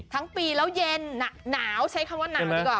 ทั้งปีแล้วเย็นหนาวใช้คำว่าหนาวดีกว่า